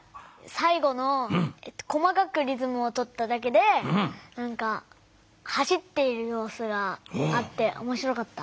さいごの細かくリズムをとっただけで走っているようすがあっておもしろかった。